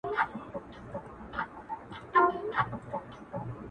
چی په عُقدو کي عقیدې نغاړي تر عرسه پوري!